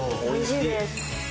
おいしいです。